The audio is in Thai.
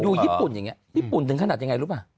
ญี่ปุ่นอย่างนี้ญี่ปุ่นถึงขนาดยังไงรู้ป่ะ